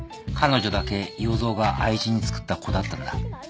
彼女だけ要造が愛人につくった子だったんだ。